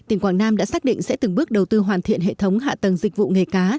tỉnh quảng nam đã xác định sẽ từng bước đầu tư hoàn thiện hệ thống hạ tầng dịch vụ nghề cá